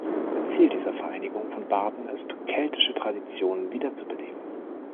Ziel dieser Vereinigung von Barden ist, keltische Traditionen wiederzubeleben.